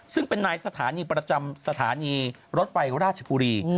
ซึ่งเป็นนายสถานีประจำสถานีรถไฟราชบุรี